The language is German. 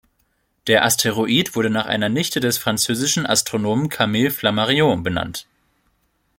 Der Asteroid wurde nach einer Nichte des französischen Astronomen Camille Flammarion benannt.